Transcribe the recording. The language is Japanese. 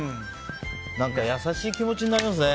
何か優しい気持ちになりますね。